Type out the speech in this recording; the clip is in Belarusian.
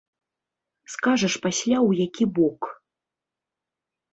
Скажаш пасля ў які бок.